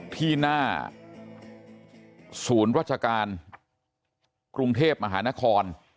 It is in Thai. ที่หน้าศูนย์ราชการกรุงเทพมหานคร